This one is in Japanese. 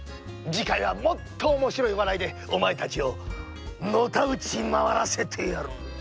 じかいはもっとおもしろい笑いでおまえたちをのたうちまわらせてやる！